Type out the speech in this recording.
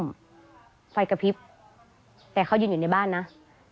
เพื่อที่จะได้หายป่วยทันวันที่เขาชีจันทร์จังหวัดชนบุรี